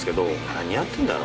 何やってんだろ？